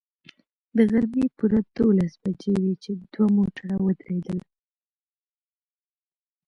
د غرمې پوره دولس بجې وې چې دوه موټر ودرېدل.